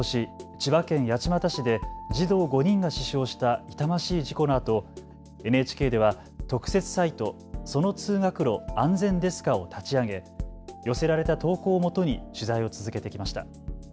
千葉県八街市で児童５人が死傷した痛ましい事故のあとＮＨＫでは特設サイト、その通学路、安全ですかを立ち上げ、寄せられた投稿をもとに取材を続けてきました。